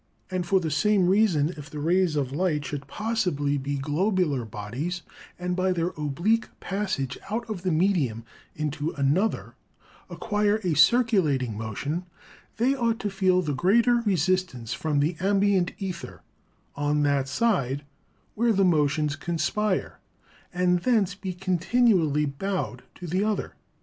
And for the same reason, if the rays of light should possibly be globular bodies, and by their oblique passage out of the medium into another, acquire a circulating motion, the)' ought to feel the greater resistance from the ambient^ aether, on that side, where the motions conspire, and thence be continually bowed to the other.